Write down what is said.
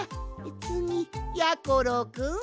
つぎやころくん！